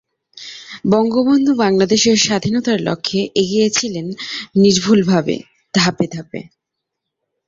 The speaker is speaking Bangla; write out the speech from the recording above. এই কারণে কিছু সাময়িক ব্যবস্থা গ্রহণ করা হয়েছিল।